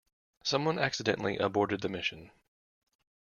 Someone accidentally aborted the mission.